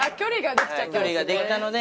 距離ができたので。